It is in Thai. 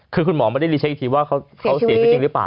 คือคุณหมอไม่ได้รีเช็คอีกทีว่าเขาเสียชีวิตจริงหรือเปล่า